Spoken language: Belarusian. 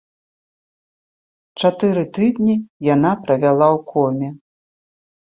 Чатыры тыдні яна правяла ў коме.